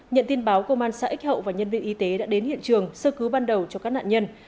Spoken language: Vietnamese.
nhận tin báo công an xã x hậu và nhân viên y tế đã đến hiện trường sơ cứu ban đầu cho các nạn nhân